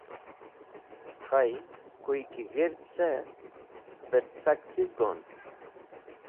Khay, kuy ki g̃hird ce, bet sak chiz go’n.